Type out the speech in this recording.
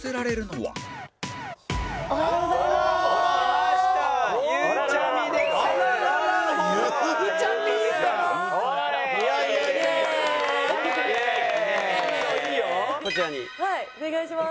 はいお願いします。